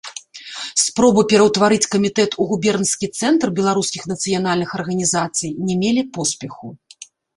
Спробы пераўтварыць камітэт у губернскі цэнтр беларускіх нацыянальных арганізацый не мелі поспеху.